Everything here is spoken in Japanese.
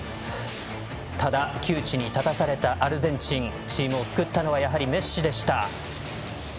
ただ、窮地に立たされたアルゼンチンを救ったのはやはりメッシでした。